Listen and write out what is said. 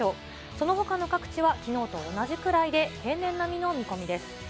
そのほかの各地はきのうと同じくらいで、平年並みの見込みです。